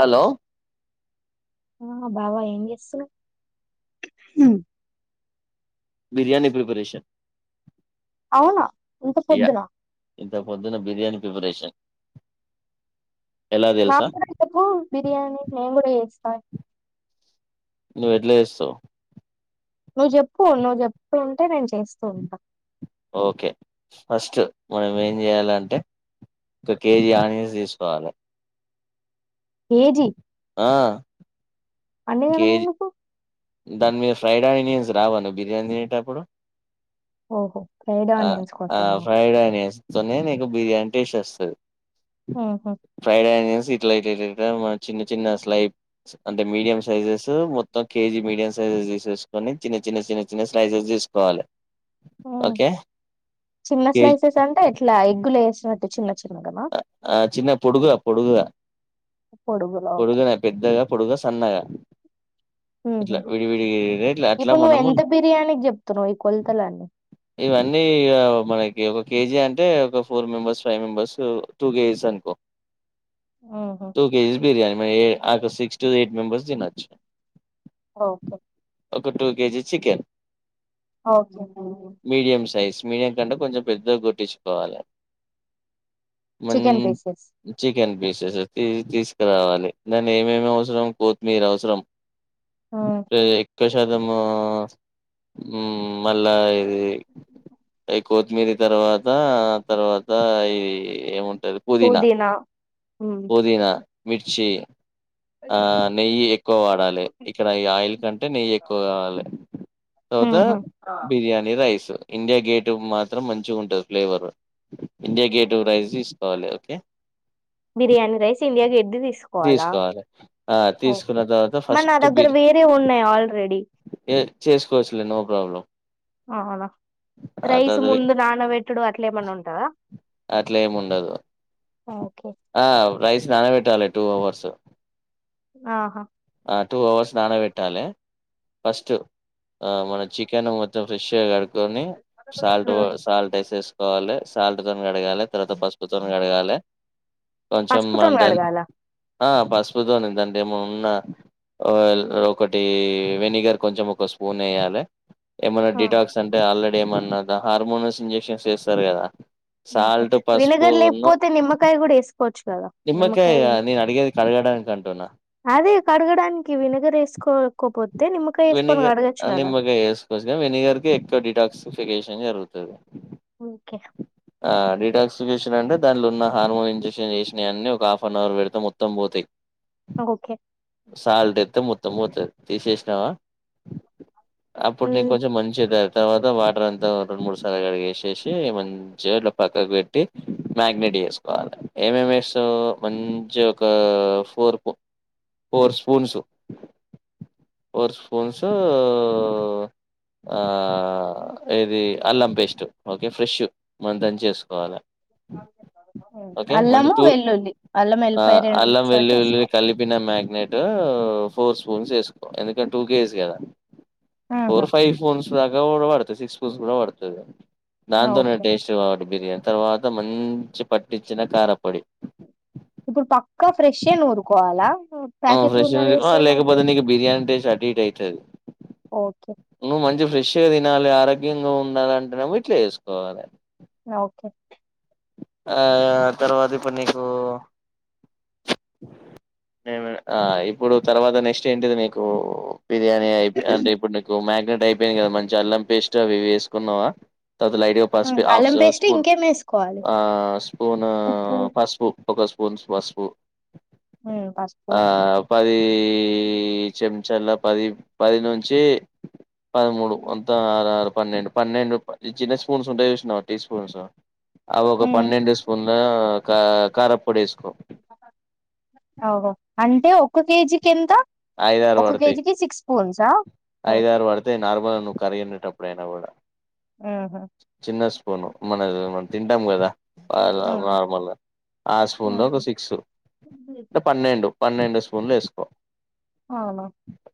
Hello ఆ బాబాయ్ ఏం చేస్తున్నవ్ బిర్యానీ ప్రిపరేషన్ అవునా ఇంత యా పొద్దునా ఇంత పొద్దున బిర్యానీ ప్రిపరేషన్ ఎలా తెలుసా నాక్కూడా చెప్పు బిర్యానీ నేన్ గుడ చేస్ స్త నువ్ ఎట్ల చేస్తావ్ నువ్ జెప్పు నువ్ జెప్తూ ఉంటే నేన్ చేస్తూ ఉంటా ఓకే ఫస్ట్ మనం ఏం చేయాలంటే ఒక కేజీ ఆనియన్స్ తీస్కోవాలె కేజీ ఆ అన్నిగనం కేజీ ఎందుకు దాని మీరు ఫ్రైడ్ ఇనియన్స్ రావను బిర్యానీ తినేటప్పుడు ఓహో ఫ్రైడ్ ఆనియన్స్ కోసమా ఫ్రైడ్ న బిర్యానీ టేసి వస్తుంది ఊహూ ఫ్రైడ్న్స్ సట్ ట్ చిన్న చిన్న స్లై అంటే మీడియం సైజస్ మొత్తం కేజీ మీడియం సైజ్ తీసేసుకొని చిన్న చిన్న చిన్న చిన్న స్లైసెస్ తీసుకోవాలి ఓకే చిన్న కేజీ స్లైసెస్ అంటే ఇట్లా ఎగ్గులు వేస్త అ చిన్న చిన్నగనా ఆ చిన్న పొడుగు పొడుగుగా పొడుగులో ఓకే పొడుగనే పెద్దగా పొడుగ సన్నగా ఊహూ ఇట్లా విడివిడిలా అట్లా ఇప్పుడు నువ్వు మనము ఎంత బిర్యానీకి చెప్తున్నావు ఈ కొలతలన్నీ ఇవన్నీ మనకి ఒక కేజీ అంటే అంట ఒక four member five members two గేజకో ఊహూ టూ కేజీస్ బిర్యానీ మ ఏ ఆక సిక్స్ టు ఎయిట్ మెంబర్స్ తినొచ్చు ఓకే ఒక two KG chicken okay thank you medium size medium కంటే కొంచెం పెద్దగా కొట్టించుకోవాలే. మన్ chicken pieces chicken piece [unintelligible] tea తీస్కరావాలి దాని ఏమేమి అవసరం కొత్తిమీర అవసరం సరేక్ ఒక్క శాతము మ్మ్ మళ్ళా, ఇది అయి కొత్తిమీర తర్వాత తర్వాత ఇది ఏ ఎవన్ తెల్ పుదీనా మ్మ్. పూదినా మిర్చి ఆ నెయ్యి ఎక్కువ వాడాలి. ఇక్కడ ఈ ఆయిల్ కంటే నెయ్యి ఎక్కువ కావాలి. తర్వాత ఉహు ఆ బిర్యానీ రైస్ ఇండియా గేట్ మాత్రం మంచి ఉంటది ఫ్లేవర్ మ్ టూ రైస్ తీసుకోవాలి ఓకే బిర్యానీ రైస్ ఇండియాకి ఎడ్ది తీసుకోవాలా తీసుకోవాలి ఆ తీసుకున్న ఓకే తర్వాత మన్న నా ఫస్ట్ దగ్గర బిర్ వేరే ఉన్నాయి ఆల్రెడీ ఏ చేసుకోవచ్చులే నో ప్రాబ్లం అవునా ఆ రైస్ తర్వాత వి ముందు నానబెట్టుడు అట్లే ఏమన్నా ఉంటందా అట్లా ఏమి ఉండదు ఓకే ఆ రైస్ స్నానం పెట్టాల టూ హవర్స్ ఆహా ఆ టూ అవర్స్ నానబెట్టాలే ఫస్ట్ ఆ మన చికెన్ మొత్తం ఫ్రెషుగా కడగ్ కొని ఉమ్ సాల్ట్వొస్ సాల్ట్ యేసేసుకొని కోలేస్ సల్ట్ తోను కడగాలే తర్వాత పసుపుతోను కడగాలే పసుపుతోన్ కడగాల ఆ పసుపుతోన్ దాన్ని దన్ ఏమో ఉ ఆ ఓ ఉన్న ఒకటి వినిగర్ కొంచెం ఒక స్పూన్ యేయాలే ఏమన్నా ఆహా డిటాక్స్ అంటే ఆల్రెడీ ఏమన్ నాద హార్మోన్స్ ఇంజెక్షన్స్ చేస్తారు గాదా ఓకే వినిగర్ లేకపోతే నిమ్మకాయ కూడా వేసుకోవచ్చు కదా, నిమ్మకాయ వినేసి నేను అడిగేది కడగడానికి అంటున్నా అదే కడగడానికి వినగర్ వేసుకోకపోతే నిమ్మకాయ వేసుకోని వెనిగర్ కడగచ్చు కదా. నిమ్మకాయ వేసుకోవచ్చు ఏం జరుగుతది ఓకే ఆ డిటాక్సికేషన్ అంటే దాన్లో ఉన్న హార్మోన్ ఇంజెక్షన్ చేసినయన్నీ ఒక హాఫ్ అన్ అవర్ పెడితే మొత్తం పోతాయ్. ఓకే సల్ట్ ఎత్తే మొత్తం పోతది తీసేసినావా అప్పుడు నీ ఉమ్ కొంచెం మంచిదద్ తర్వాత వాటర్ అంతా రెండు మూడు సార్లు కడిగిసేసి మంచ్ చెర్లో పక్కకు పెట్టి మ్యాగ్నెడ్ చేసుకోవాలి. ఏమేమి వేస్తావు మంచిగా ఒక ఫోర్ పూ ఫోర్ స్పూన్సు ఫోర్ స్పూన్సు ఆ ఏది అల్లం పేస్ట్ ఓకే ఫ్రెష్ మంతన్ చేసుకోవాలి ఓకే మంచి అల్లము టూ వెల్లుల్లి అల్లం ఆ ఎల్లిపాయ రెండు అల్లం మిక్స్ పట్టి వెల్లుల్లి వేసుకోవాలి కలిపిన మ్యాగ్నైటు ఫోర్ స్పూన్స్ ఎస్కో ఎందుకంటే టూ కేజ్ గదా ఆహా! ఫోర్ ఫైవ్ ఫోన్స్ దగ కూడా పడుతది సిక్స్ పూస్ కూడా పడుతదిగ యా ఓకే టువడ్ బిర్యానీ తర్వాత మంచి పట్టించిన కారపొడి ఇప్పుడు పక్కా ఫ్రెషే నూరుకోవాలా ఆ ప్యాకెట్లు ఫ్రెషా ఆ ఉన్నవేస్తే ఏమైతది? లేకపోతే నీకు బిర్యానీ టేస్ట్ అటు ఇట్ అయితది. ఓకే. నువ్వు మంచి ఫ్రెష్గా తినాలి ఆరోగ్యంగా ఉండాలంటేనెమో ఇట్లా చేసుకోవాలే ఆ ఓకే ఆ తర్వాత ఇప్పుడు నీకు నిమే ఆ ఇప్పుడు తర్వాత నెక్స్ట్ ఏంటిది మీకు బిర్యాణి యా అ అంటే ఇప్పుడు మగ్నెట్ అయిపోయింది కదా మంచి అల్లం పేస్ట్ అవి వేసుకున్నావా తర్వాత లైట్ గా హ్మ్. పసుపేయ్ హాఫ్ అల్లం పేస్ట్ స్పూన్ ఇంకేమేసుకోవాలి? ఆ స్పూను ఉప్పు, పసుపు ఒక స్పూన్స్ పసుపు హ్మ్. పసుపు, ఆ పది యే........ చెమ్ చల్ల పది పది నుంచి పదమూడు అంతా ఆరు ఆరు పన్నెండు పన్నెండు చిన్న స్పూన్స్ ఉంటాయి చూసినావా టీ స్పూన్స్ అవొక హ్మ్. పన్నెండు స్పూన్ల కా కారాపు పొడి వేసుకో. ఆగో అంటే ఒక కేజీకి ఎంత. ఆయగారు ఒక వాడుతాయి ఓకే. ఆయగారు వాడితే నార్మల్ ను కరిగినటప్పుడైనా కూడా. ఆహా. పోను మన మనది తింటాం కదా. ఆహ్ హ్మ్. నార్మల్గా ఆ స్పూన్లు హ్మ్. ఒక సిక్స్ అంటే పన్నెండు. పన్నెండు స్పూన్లు వేసుకో. అలా.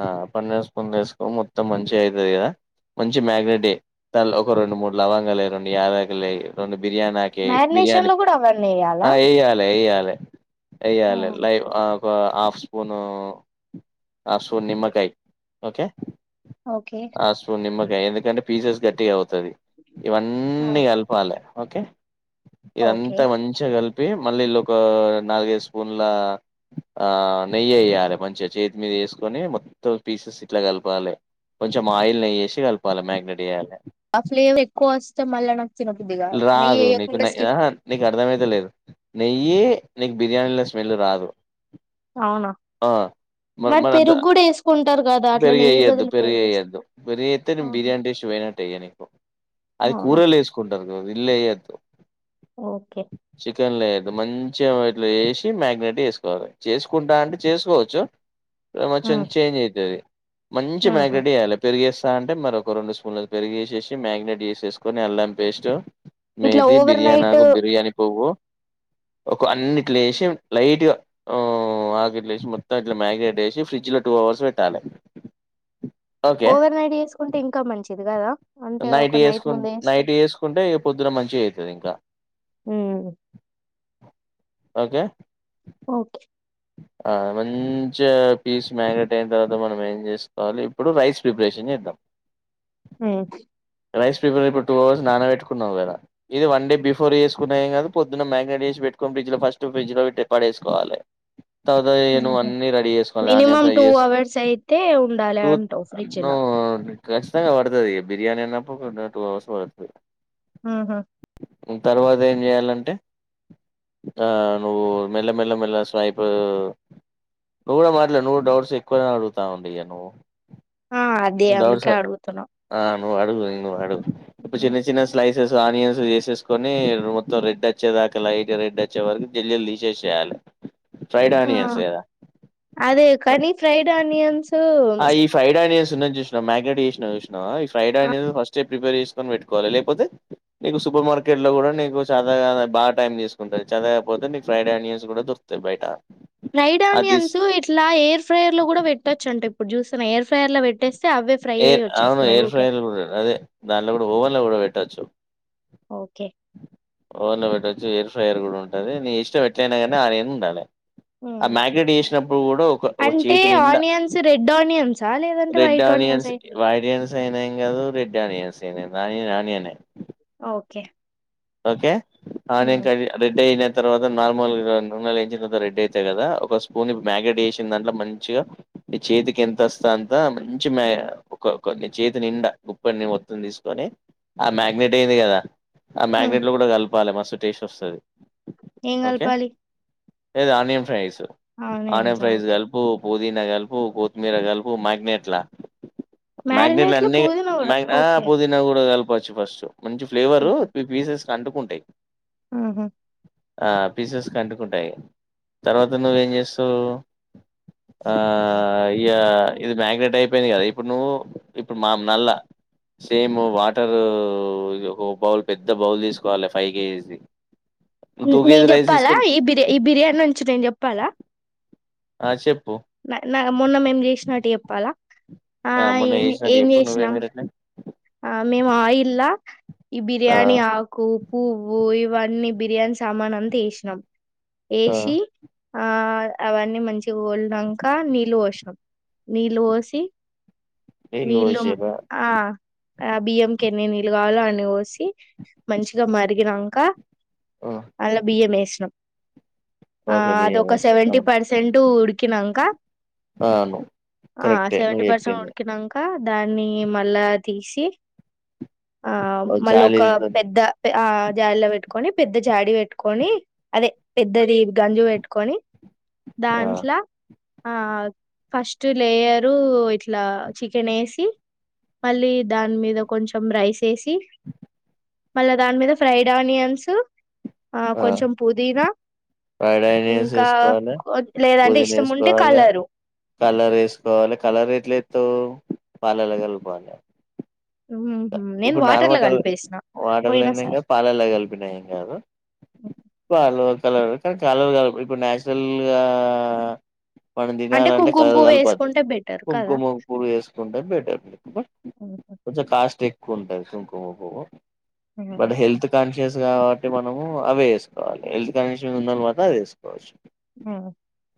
ఆహ్ పన్నెండు స్పూన్లు వేసుకో మొత్తం మంచిగా అయితది కదా మంచిగ మ్యాగ్నేట్ చెయ్ దా ఒక రెండు మూడు లవంగాలు వెయ్ రెండు యాలకులు లేయి రెండు. బిర్యానీ ఆకు వెయ్యి బిర్యానీ మ్యారినేషన్‌లో గూడా అవన్నేయాలా? ఆహ్ వెయాలి వెయ్యాలి. లై వేయ్యాలే హ్మ్. లైవ్ ఆహ్. [unintelligible] Half spoon. హఫ్ స్పూన్ నిమ్మకాయ ఓకే. ఓకే. హఫ్ స్పూన్ నిమ్మ. ఎందుకంటే పీసెస్ గట్టిగా అవు ఇది ఆ! ఇవన్నీ కలపాలి. ఓకే. ఓకే. ఇదంతా మంచిగా కలిప్. తే మళ్లీ ఇళ్లా ఒక నాలుగు ఐదు స్పూన్ల ఆహ్ నెయ్యి ఏయ్యాలే మంచిగా. చేతి మీద వేసుకొని మొత్తం పీసెస్ ఇట్లా కలపాలే కొంచెం ఆయిల్ వేసి కలపాలి మ్యాగ్నేట్ చేయాలే. ఆ ఫ్లేవరెక్కువొస్తే మళ్ళా నాకు తినబుద్ధి గాదు. రాదు నీకు నెయ్యేయకుండా నే స్కిప్ ఆహ్ నీకు అర్థమయిత లేదు నెయ్యి. నీకు బిర్యానీల స్మెల్ రాదు. అవునా. మరి మన వద్ద పెరుగు కూడా వేసుకుంటారు కదా అట్లా నెయ్యి పెరుగేయ్యొద్దు బదులు పెరుగు వేస్తారు. పెరుగేయ్యొద్దు పెరుగేస్తే ఆహా బిర్యానీ టేస్ట్ పోయినట్టే ఇక నీకు అది అవునా కూరల వేసుకుంటా. ఆహ్ ఇండ్ల వెయ్యొద్దు. Okay chicken layer. మంచిగా ఇట్లా చేసి మ్యాగ్నేట్ చేసుకోవాలి. చేసుకుంటా అంటే చేసుకోవచ్చు. కొంచెం ఉమ్ చేంజ్ అయితది. మంచిగా ఉహు మ్యాగ్నెట్ చేయాలి పెరుగేసు. తా అంటే మరి ఒక రెండు స్పూన్లు పెరిగేసేసి మ్యాగినేట్ చేసేసుకొని అల్లం పేస్టు. ఇట్లా మేతి ఓవర్ బిర్యానీ నైట్ ఆకు బిర్యానీ పువ్వు. ఒక అన్ని ఇట్లా వేసి లైట్గా ఆహ్ ఆకుట్లేసి మొత్తం ఇట్లా మ్యాగ్నెట్. వేసి ఫ్రిడ్జ్ లో టూఅవర్స్ పెట్టాలి. ఓకే ఓవర్ నైట్ చేసుకుంటే ఇంకా మంచిది కదా అంటే ఒక నైట్ చేసుకు ముందే చేసుకు నైట్ చేసుకుంటే ఇక పొద్దున మంచిగా అయితది ఇంకా ఓకే ఓకే మంచి పీస్ మ్యారినేట్ అయిన తర్వాత మనం ఏం చేసుకోవాలి ఇప్పుడు రైస్ ప్రిపరేషన్ చేద్దాం ఉమ్, రైస్ ప్రిపేర్ ఇప్పుడు టూ అవర్స్ నాన పెట్టుకున్నావు కదా ఇది వన్ డే బిఫోర్ చేసుకున్నా ఏం కాదు పొద్దున్న మ్యాగ్నెట్ చేసి పెట్టుకొని ఫ్రిడ్జ్ ల ఫస్ట్ ఫ్రిడ్జ్లో పడేసుకోవాలి తర్వాత నువ్వు ఉమ్హు. అన్నీ రెడీ చేసుకోవాలి ఆనియన్ మినిమం ఫ్రై టూ చేసు అవర్స్ అయితే ఉండాలి అంటావు ఫ్రిడ్జ్ లో నువ్వు ఖచ్చితంగా పడుతుంది బిర్యానీ అన్నప్పు టు అవర్స్ పడతది ఆహా తర్వాత ఏం చేయాలంటే నువ్వు మెల్లమెల్లమెల్ల స్వైప్ ఇప్పు నువ్వు కూడా మాట్లా నువ్వు డౌట్స్ ఎక్కువ అడుగుతానవండి ఇగ నువ్వు ఆ అదే డౌట్స్ అందుకే అడుగుతున్నా ఆ నువ్వు అడుగు ఇంకా అడుగు ఇ ఉ చిన్న చిన్న స్లైస్ ఆనియన్స్ తీసేసుకొని మొత్తం రెడ్ వచ్చేదాకా లైట్ రెడ్ వచ్చే వరకు జల్లు తీసేసి వేయాలి ఆ అదే కానీ ఫ్రైడ్ ఆనియన్స్ న్న చూసినా మ్యాగ్నెట్ చేసినా చూసినావా ఈ ఫ్రైడ్ ఆ ఆనియన్స్ ఫస్ట్ ప్రిపేర్ చేసుకొని పెట్టుకోవాలి లేకపోతే నీకు సూపర్ మార్కెట్లో కూడా నీకు చాతకా బాగా టైమ్ తీసుకుంటుంది చేతకాపోతే నీకు ఫ్రైడ్ ఆనియన్స్ కూడా దొరుకుతాయి బయట రైడ్ అది ఆనియన్స్ ఇట్లా ఎయిర్ ఫ్రైయర్ లో కూడా పెట్టొచ్చు అంట ఇప్పుడు చూసి తను ఎయిర్ ఫ్రర్లో పెట్టేసి ఎర్ అవును ఎయిర్ ఫ్రైర్ కూడా అదే దానిలో కూడా ఓవెన్ లో కూడా పెట్టచ్చు ఓకే ఓన్ లో పెట్టొచ్చు ఎయిర్ ఫ్రయర్ కూడా ఉంటుంది నీ ఇష్టం ఎట్లయినా కానీ ఆ నేను ఉండాలి ఆ హ్మ్. మ్యాగినేట్ చేసినప్పుడు కూడా ఒక ఒక అంటే చేతి నిండా ఆనియన్స్ రెడ్ ఆనియన్సా లేదంటే రెడ్ వైట్ ఆనియన్స్ ఆనియన్సా? వా ఆనియన్స్ అయినాం కాదు రెడ్ ఆనియన్స్ అే న నానినే ఓకే ఓకే ఆ నేం హ్మ్. కడి రెడ్డన్ తర్వాత నార్మల్ నూనెలు వంచిన తర్వాత రెడీ అయితయి కదా ఒక స్పూన్ మ్యాగ్నేట్ చేసిన దాంట్లో మంచిగా నీ చేతికి ఎంత వస్తా అంత మంచి మ్యాీ చేతి నిండ ఉప్పని మొత్తం తీసుకొని ఆ మ్యాగ్నేట్ అయింది కదా ఆ హ్మ్. మ్యాగ్ట్ లో కూడా కలుపు ఇవ్వాలి మస్తు టేస్ట్ వస్తుంది ఏ కాల్ పాలి ఏదానియం ఫ ఆనే ప్రైజ ఓకే. కల్పు పోదిన గల్పు కొత్మీర గల్పు మ్యాగ్నేట్ లా మ్యాగ్నట్ మ్యారినేట్‌లో అన్ని పుదీనా కూడా ఆ ఓకే. పుదీనా కూడా క పచ్చి పస్ మంచి ఫ్లేవరు పీసెస్ కి అంటుకుంటాయి ఆహా ఆ పీసెస్ కి అంటుకుంటాయి తర్వాత నువ్వేం చేస్తవు ఆ ఇ ఇది మ్యాగ్నేట్ అయిపోయింది కదా ఇప్పుడు నువ్వు ఇప్పుడు మా నల్ల సేమ్ వాటరు బౌల్ పెద్ద బౌల్ తీసుకోవాలి ఫైవ్ కేజీస్ ది నేను చెప్పాలా ఈ బిర్యా ఈ బిర్యానీ నుంచి నేను చెప్పాలా అ చెే నా మొన్న మేము చేసినట్టు చెప్పాలా ఆ మొన్న ఏం చేసినాట్టు ఏం చెప్పు నువ్వేమి చేసినాం? వేసినావు ఆ మేము ఆయిల్లా ఈ ఆ బిర్యాణి ఆకు పూవ్వు ఇ ఇవి అన్ని బిర్యానీ సామాన్ అంతా వేసినామ్ ఆ ఏషి ఆ అవన్నీ మంచి గోలినంక నీళ్ళు పోసినం నీళ్ళు పోసి నీళ్ళు నీళ్లు ఓం పోసిర్రా ఆ ఆ బియ్యంకి ఎన్ని నీళ్లు కావాలో అని పోసి మంచిగా మరిగినంక అల్లా బియ్యం వేసినం ఆ ఓకే బియ్యం అదొక పోసిర్రా సెవెంటీ అవును పర్సెంట్ ఉ కినాంక అవును కరెక్టే సెవెంటీ నువ్వు పర్సెంట్ చెప్పింది. ఉడికినంక దాన్ని మళ్ళా తీసి ఆ ఓ మళ్ళ ఒక జాలీలతోని పెద్ద ఆ జాలీలో పెట్టుకొని పెద్ద జాడి పెట్టుకొని అదే పెద్దది గంజు పెట్టుకొని ఆ దాంట్ల ఆ ఫస్ట్ లేయరు ఇట్లా చికెన్ వేసి మళ్ళీ దాని మీద కొంచెం రైస్ ఏసి మళ్ళా దాని మీద ఫ్రైడ్ ఆనియన్స్ ఆ కొంచెం పుదీనా ఫ్రైడ్ ఆనియన్స్ ఇంకా వేసుకోవాలే కొ- లేదంటే పుదీనా ఇష్టం ఉంటే వేసుకోవాలే కలరు కలర్ వేసుకోవాలే కలర్ ఎట్ల ఏస్తావు పాలల్ల కలపాలే మ్మ్హ్మ్. నేను ఇప్పుడు వాటర్ లో నార్మల్ కల్ కలిపేసిన వాటర్ పోయిన లైన ఏం కాదు సారి పాలల్ల కలిపిన ఏం కాదు పాలు కలర్ కానీ కలర్ కాదు ఇప్పుడు నాచురల్ గా మనం అంటే తినాలంటే కుంకుమ కలర్ పువ్వు కనపొద్దు వేసుకుంటే బెటర్ కదా కుంకుమపువ్వు వేసుకుంటే బెటర్ ఉహు కొంచెం కాస్ ఎక్కువ ఉంటది కుంకుమపువ్వు ఉమ్ బ హెల్త్ కాన్ స్ కాబట్టి మనము అవే వేసుకోలి హెల్త్ కండిషన్స్ ఉన్నవాత అది వేసుకోవచ్చు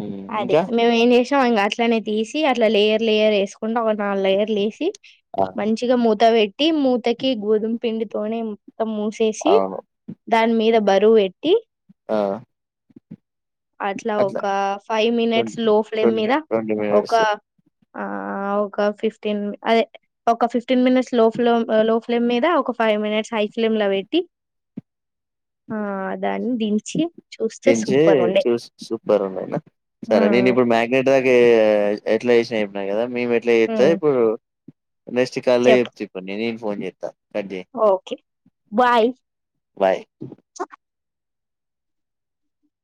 ఉమ్, అదే ఇంకా మేము ఏం చేసాం ఇ అట్లనే తీసి అట్లా లే ప్లేరాకో ఉండా ఒక నాలుగు లయర్లు వేసి ఆ, మంచిగా మూత పెట్టి మూతకి ఎగుదం పిం తనే కోత్త మూసేసి అవును దాని మీద బరు ఏంటి ఆ అట్లా ఒక five minutes twenty low flame twenty మీద ట్వంటీ ఒక మినిట్స్ ఆ ఒక ఫిఫ్టీన్ అదే ఒక ఫిఫ్టీన్ మినిట్స్ లో ఫ్మ్ లో ఫ్లేమ్ మీద ఒక ఫైవ్ మినిట్స్ హై ఫ్లేమ్ లో పెట్టి ఆద్ దాన్ని దించి చూస్తే దించి సూపర్ ఉండే సూపర్ ఉన్నాయిన సరే నేను ఉమ్ ఇప్పుడు మ్యాగ్నేట్ దాక ఎట్లా వేసినా వేపిన కదా మేము ఎట్లా చేస్తే ఉమ్ ఇప్పుడు నెక్స్ట్ కాలే చెప్పు చెప్పండి నే ఫోన్ చేత్తా ఓకే బాయ్ బాయ్